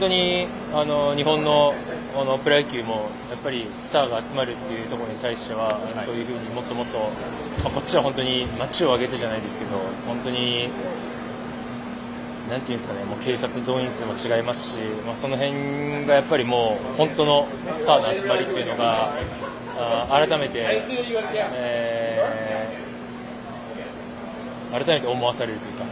日本のプロ野球もスターが集まるというところに対してはそういうふうにもっともっとこっちは本当に街を挙げてじゃないですけど警察動員数も違いますしその辺が本当のスターの集まりというのが改めて思わせるというか